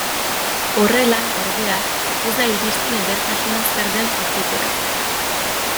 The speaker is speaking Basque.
Horrela, ordea, ez da iristen edertasuna zer den jakitera.